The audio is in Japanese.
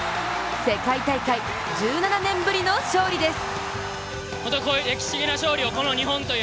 世界大会１７年ぶりの勝利です。